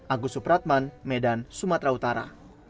agus supratman medan sumatera utara